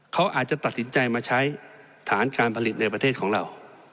เขาอาจจะตัดสินใจมาใช้ฐานการผลิตในประเทศของเรา